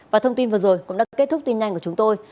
và thông tin vừa rồi cũng đã kết thúc tin nhanh của chúng tôi